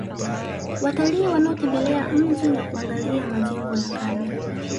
Watalii wanaotembelea mji na kuangalia majengo ya kale